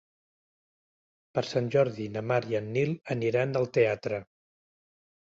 Per Sant Jordi na Mar i en Nil aniran al teatre.